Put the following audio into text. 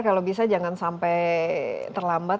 kalau bisa jangan sampai terlambat